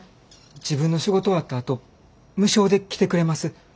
自分の仕事終わったあと無償で来てくれます。